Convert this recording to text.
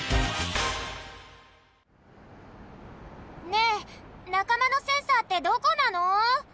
ねえなかまのセンサーってどこなの？